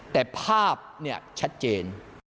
แต่ภาพเนี่ยชัดเจน